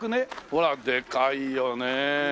ほらでかいよねえ。